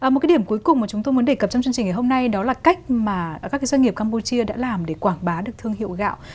một cái điểm cuối cùng mà chúng tôi muốn đề cập trong chương trình ngày hôm nay đó là cách mà các doanh nghiệp campuchia đã làm để quảng bá được thương hiệu gạo